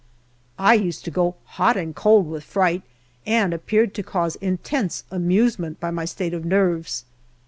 " I used to go hot and cold with fright, and appeared to cause intense amusement by my state of nerves.